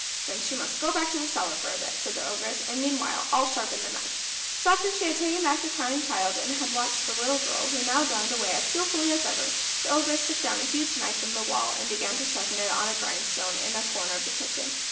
"Then she must go back to the cellar for a bit," said the Ogress. "And meanwhile I'll sharpen the knife." So after she had taken back the crying child, and had watched the little girl, who now darned away as skilfully as ever, the Ogress took down a huge knife from the wall, and began to sharpen it on a grindstone in a corner of the kitchen.